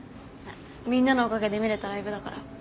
みんなのおかげで見れたライブだから。